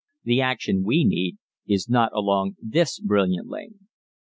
The action we need is not along this brilliant lane.